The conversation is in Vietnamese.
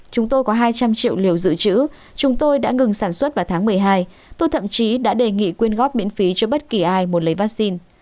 chúng tôi có hai trăm linh triệu liều dự trữ chúng tôi đã ngừng sản xuất vào tháng một mươi hai tôi thậm chí đã đề nghị quyên góp miễn phí cho bất kỳ ai muốn lấy vaccine